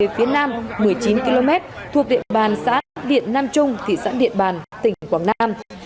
phía nam một mươi chín km thuộc điện bàn xã điện nam trung thị xã điện bàn tỉnh quảng nam